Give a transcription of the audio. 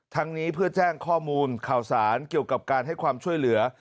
นี้เพื่อแจ้งข้อมูลข่าวสารเกี่ยวกับการให้ความช่วยเหลือ